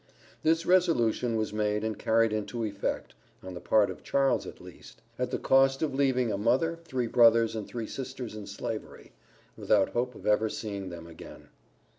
This resolution was made and carried into effect (on the part of Charles at least), at the cost of leaving a mother, three brothers, and three sisters in Slavery, without hope of ever seeing them again.